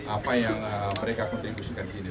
apa yang mereka kontribusikan ini